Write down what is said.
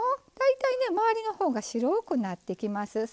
大体ね周りの方が白くなってきます。